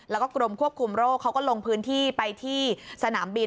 แล้วก็กรมควบคุมโรคเขาก็ลงพื้นที่ไปที่สนามบิน